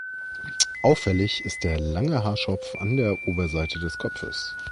Auffällig ist der lange Haarschopf an der Oberseite des Kopfes.